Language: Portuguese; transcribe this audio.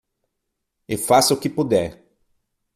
E faça o que puder